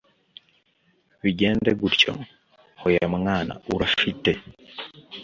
bigende gutyo, hoya mwana urafite